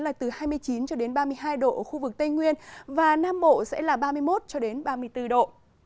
nhiệt độ cao nhất phổ biến là từ hai mươi chín ba mươi hai độ ở khu vực tây nguyên và nam bộ sẽ là ba mươi một ba mươi bốn độ